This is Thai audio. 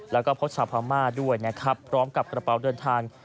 และพบชาวพามาด้วยพร้อมกับกระเป๋าเดินทาง